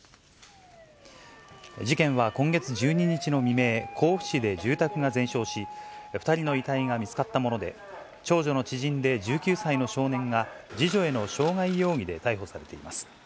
事件は今月１２日の未明、甲府市で住宅が全焼し、２人の遺体が見つかったもので、長女の知人で１９歳の少年が、次女への傷害容疑で逮捕されています。